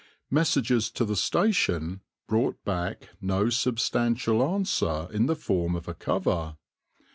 Messages to the station brought back no substantial answer in the form of a cover.